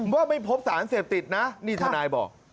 ว่าไม่พบสารเสพติดนะนี่ทนายบอก